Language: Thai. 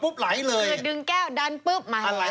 แบบนั้น